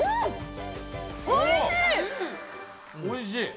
おいしい！